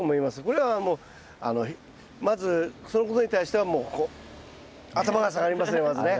これはもうまずそのことに対してはもうこう頭が下がりますねまずね。